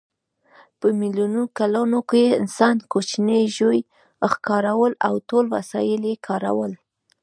په میلیونو کلونو کې انسان کوچني ژوي ښکارول او ټول وسایل یې کارول.